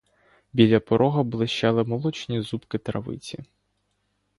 Біля порога блищали молочні зубки травиці.